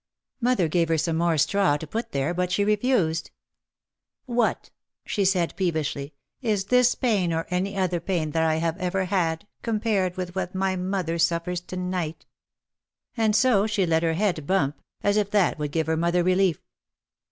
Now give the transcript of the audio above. Mother gave her some more straw to put there, but she refused. "What," she said, peevishly, "is this pain or any other pain that I have ever had, compared with what my OUT OF THE SHADOW 49 mother suffers to night." And so she let her head bump as if that would give her mother relief.